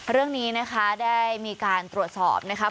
เรื่องนี้นะคะได้มีการตรวจสอบนะครับ